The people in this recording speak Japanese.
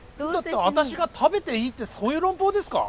私が食べていいってそういう論法ですか？